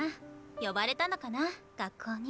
呼ばれたのかな学校に。